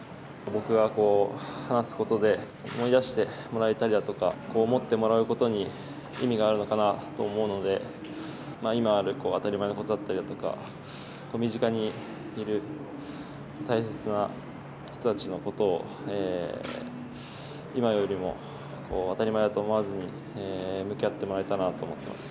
僕が話すことで、思い出してもらえたりだとか、思ってもらうことに意味があるのかなと思うので、今ある当たり前のことだったりとか、身近にいる大切な人たちのことを、今よりも当たり前だと思わずに向き合ってもらえたらなと思って